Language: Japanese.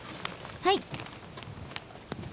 はい！